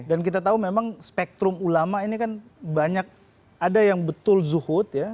dan kita tahu memang spektrum ulama ini kan banyak ada yang betul zuhud ya